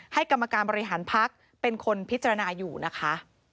กรรมการบริหารพักเป็นคนพิจารณาอยู่นะคะ